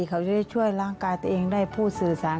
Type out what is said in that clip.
เขาจะได้ช่วยร่างกายตัวเองได้ผู้สื่อสาร